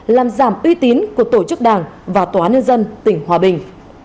làm giảm uy tín của tổ chức đảng và tòa án nhân dân tỉnh hòa bình